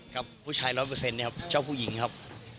ครับผู้ชายร้อยเปอร์เซ็นต์เนี่ยครับชอบผู้หญิงครับ